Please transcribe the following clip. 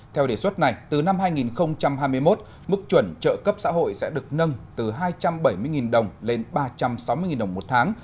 theo đề xuất này từ năm hai nghìn hai mươi một mức chuẩn trợ cấp xã hội sẽ được nâng từ hai trăm bảy mươi đồng lên ba trăm sáu mươi đồng một tháng